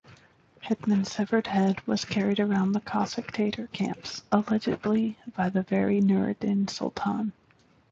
Hetman's severed head was carried around the Cossack-Tatar camps, allegedly by the very Nuradin-Soltan.